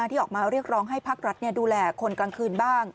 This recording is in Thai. ที่ออกมาเรียกร้องให้ภาครัฐดูแลคนกลางคืนบ้าง